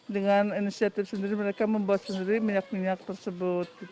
dengan inisiatif sendiri mereka membuat sendiri minyak minyak tersebut